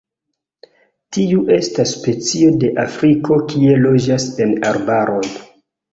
Tiu estas specio de Afriko kie loĝas en arbaroj.